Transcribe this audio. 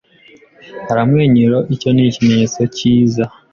Aramwenyura, icyo ni ikimenyetso cyiza